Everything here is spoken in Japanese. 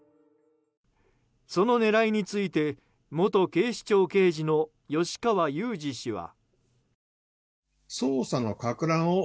その狙いについて元警視庁刑事の吉川祐二氏は。